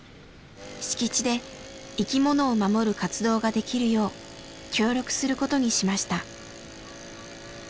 敷地で生きものを守る活動ができるよう協力することにしました。